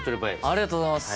ありがとうございます。